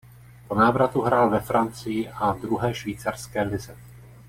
Po návratu hrál ve Francii a druhé švýcarské lize.